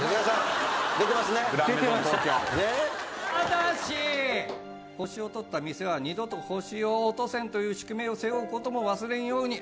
「ただし星を取った店は二度と星を落とせんという宿命を背負うことも忘れんように」